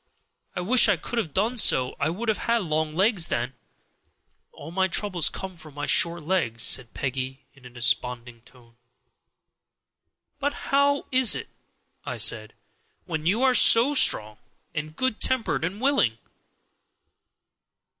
I wish I could have done so; I would have had long legs then. All my troubles come from my short legs," said Peggy, in a desponding tone. "But how is it," I said, "when you are so strong and good tempered and willing?"